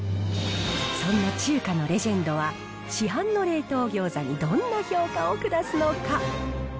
そんな中華のレジェンドは、市販の冷凍餃子にどんな評価を下すのか。